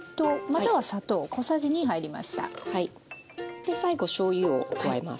で最後しょうゆを加えます。